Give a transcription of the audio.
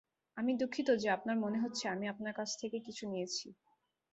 আমি দুঃখিত যে আপনার মনে হচ্ছে আমি আপনার কাছ থেকে কিছু নিয়েছি।